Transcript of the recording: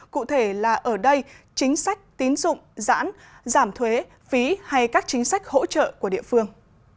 cụ thể là ở đây chính sách tín dụng giãn giảm thuế phí hay các chính sách hỗ trợ của địa phương